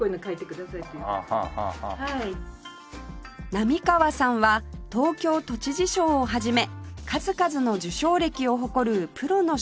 並河さんは東京都知事賞をはじめ数々の受賞歴を誇るプロの書道家